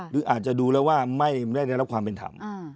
หรืออาจจะดูแล้วว่าไม่ได้รับความเป็นธรรม